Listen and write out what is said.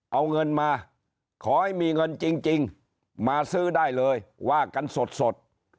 เอาเงินมาขอให้มีเงินจริงมาซื้อได้เลยว่ากันสด